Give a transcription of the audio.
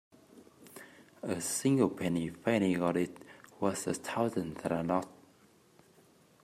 A single penny fairly got is worth a thousand that are not.